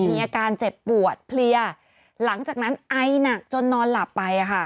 มีอาการเจ็บปวดเพลียหลังจากนั้นไอหนักจนนอนหลับไป